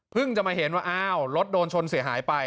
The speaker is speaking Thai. จะมาเห็นว่าอ้าวรถโดนชนเสียหายไป